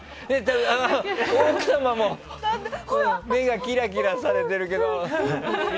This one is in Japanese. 奥様も目がキラキラされてるけど。